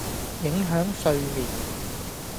影響睡眠